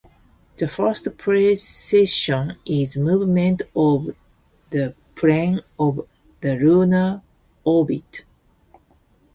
The first precession is movement of the plane of the lunar orbit.